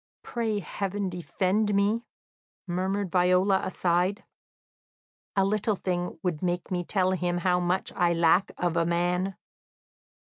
"Pray heaven defend me," murmured Viola aside. "A little thing would make me tell them how much I lack of a man."